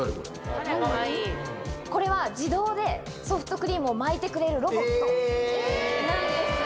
これは、自動でソフトクリームを巻いてくれるロボットなんです。